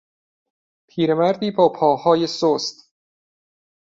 پیرمردی با پاهای سست